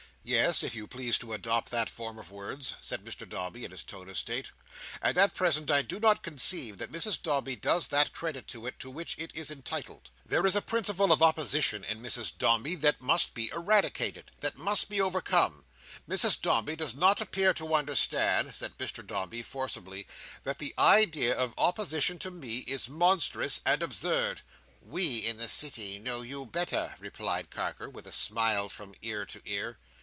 "Yes; if you please to adopt that form of words," said Mr Dombey, in his tone of state; "and at present I do not conceive that Mrs Dombey does that credit to it, to which it is entitled. There is a principle of opposition in Mrs Dombey that must be eradicated; that must be overcome: Mrs Dombey does not appear to understand," said Mr Dombey, forcibly, "that the idea of opposition to Me is monstrous and absurd." "We, in the City, know you better," replied Carker, with a smile from ear to ear.